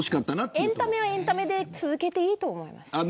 エンタメはエンタメで続けていいと思います。